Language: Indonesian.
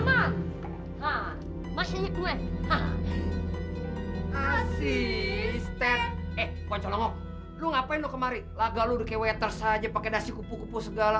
asisten eh lu ngapain lu kemarin laga lu kewetir saja pakai nasi kupu kupu segala